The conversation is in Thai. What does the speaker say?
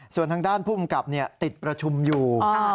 ส่วนทางด้านผู้กำกับติดประชุมอยู่